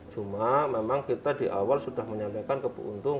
cuma memang kita di awal sudah menyampaikan ke bu untung